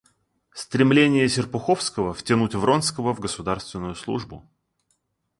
Стремление Серпуховского втянуть Вронского в государственную службу.